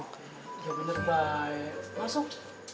ya bener bay masuk